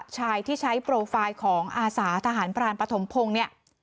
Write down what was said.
ชายที่ใช้โปรไฟล์ของอาสาทหารพรานปฐมพงศ์เนี่ย